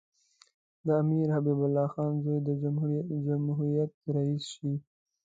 د امیر حبیب الله خان زوی د جمهوریت رییس شي.